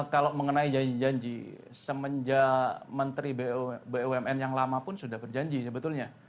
kalau mengenai janji janji semenjak menteri bumn yang lama pun sudah berjanji sebetulnya